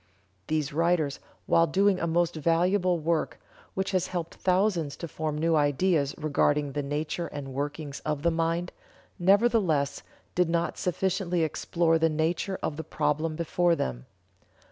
These writers while doing a most valuable work, which has helped thousands to form new ideas regarding the nature and workings of the mind, nevertheless did not sufficiently explore the nature of the problem before them.